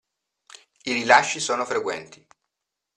I rilasci sono frequenti.